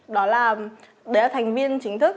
đó là thành viên chính thức